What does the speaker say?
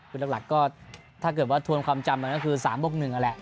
คือหลักก็ถ้าเกิดว่าทวนความจำมันก็คือ๓บวก๑นั่นแหละ